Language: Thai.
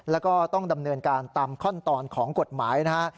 แล้วก็ต้องดำเนินการตามขั้นตอนของกฎหมายนะฮะ